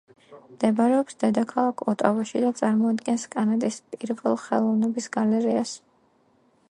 მდებარეობს დედაქალაქ ოტავაში და წარმოადგენს კანადის პირველ ხელოვნების გალერეას.